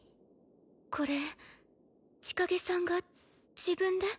これ千景さんが自分で？